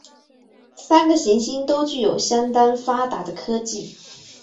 三个行星都具有相当发达的科技。